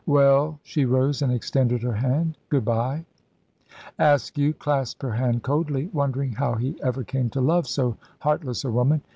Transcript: Well" she rose and extended her hand "good bye." Askew clasped her hand coldly, wondering how he ever came to love so heartless a woman.